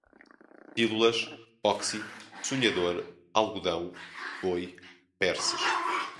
pílulas, oxy, sonhador, algodão, boi, perces